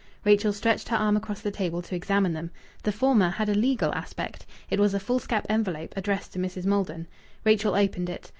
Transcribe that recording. Rachel stretched her arm across the table to examine them. The former had a legal aspect. It was a foolscap envelope addressed to Mrs. Maldon. Rachel opened it.